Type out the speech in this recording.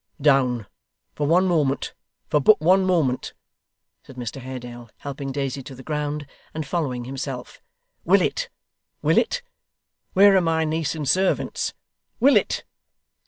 'Down for one moment for but one moment,' said Mr Haredale, helping Daisy to the ground, and following himself. 'Willet Willet where are my niece and servants Willet!